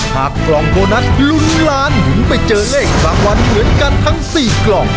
รับกล้องโบนัสลุนลานหยุดไปเจอเลขประวัติเหมือนกันทั้ง๔กล้อง